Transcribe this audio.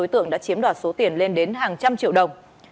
một trăm linh triệu đồng